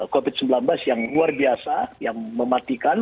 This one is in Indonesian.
covid sembilan belas yang luar biasa yang mematikan